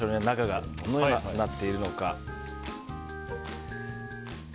中がどのようになっているか。